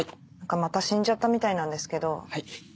また死んじゃったみたいなんですけど。